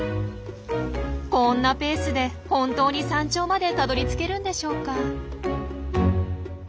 こんなペースで本当に山頂までたどりつけるんでしょうか？